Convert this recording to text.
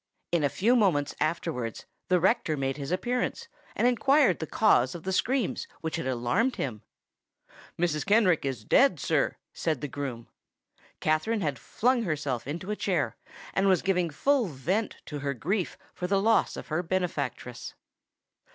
In a few moments afterwards the rector made his appearance, and inquired the cause of the screams which had alarmed him. "Mrs. Kenrick is dead, sir," said the groom. Katherine had flung herself into a chair, and was giving full vent to her grief for the loss of her benefactress.